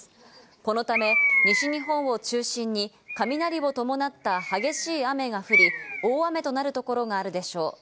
このため、西日本を中心に雷を伴った激しい雨が降り、大雨となるところがあるでしょう。